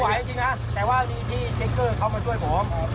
ผมไม่ไหวจริงนะแต่ว่านี่ที่เจ็กเกอร์เขามาช่วยผม